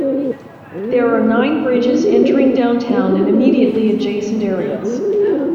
There are nine bridges entering downtown and immediately adjacent areas.